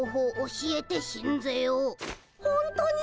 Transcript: ほんとに！？